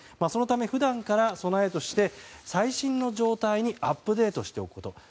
そのため、普段からの備えとして最新の状態にアップデートしておくこと。